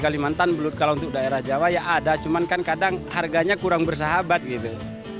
kalimantan belut kalau untuk daerah jawa ya ada cuman kan kadang harganya kurang bersahabat gitu